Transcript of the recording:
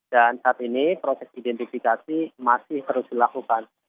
dan saat ini proses identifikasi masih terus dilakukan